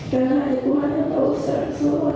karena ada tuhan yang tahu seram semua